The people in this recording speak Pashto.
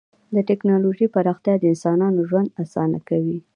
د ټکنالوژۍ پراختیا د انسانانو ژوند اسانه کوي.